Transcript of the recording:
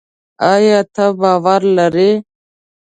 ایا ته باور لري؟